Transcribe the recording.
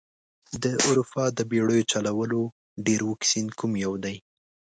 د اروپا د بیړیو چلولو ډېر اوږد سیند کوم یو دي؟